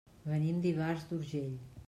Venim d'Ivars d'Urgell.